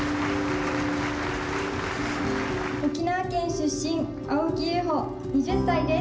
沖縄県出身青木宙帆２０歳です。